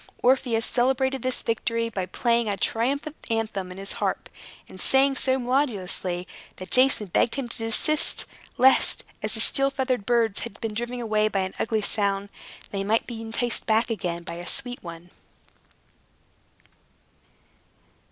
Orpheus celebrated this victory by playing a triumphant anthem on his harp, and sang so melodiously that Jason begged him to desist, lest, as the steel feathered birds had been driven away by an ugly sound, they might be enticed back again by a sweet one.